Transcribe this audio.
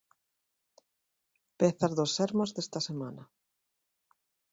Pezas do 'Sermos' desta semana.